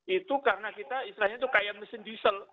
itu karena kita istilahnya itu kayak mesin diesel